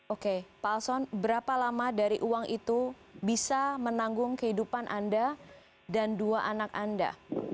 oke pak alson berapa lama dari uang itu bisa menanggung kehidupan anda dan dua anak anda